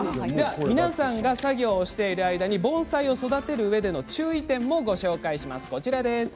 皆さんが作業している間に盆栽を育てるうえでの注意点をご紹介します。